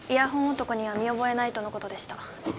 男には見覚えないとのことでしたま